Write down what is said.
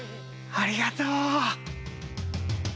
ありがとう！